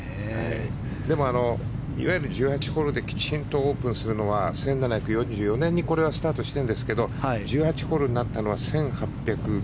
でも、いわゆる１８ホールできちんとオープンするのは１７４４年にスタートしているんですけど１８ホールになったのは１８９１年。